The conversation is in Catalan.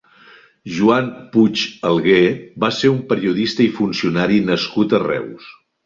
Joan Puig Alguer va ser un periodista i funcionari nascut a Reus.